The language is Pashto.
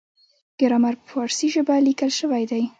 ګرامر په پارسي ژبه لیکل شوی دی.